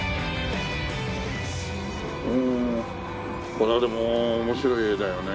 これはでも面白い絵だよね。